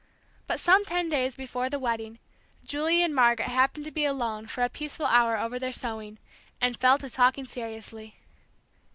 But some ten days before the wedding, Julie and Margaret happened to be alone for a peaceful hour over their sewing, and fell to talking seriously.